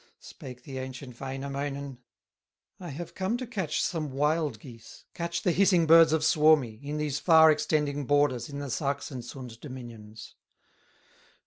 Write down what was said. Spake the ancient Wainamoinen: "I have come to catch some wild geese, Catch the hissing birds of Suomi, In these far extending borders, In the Sachsensund dominions."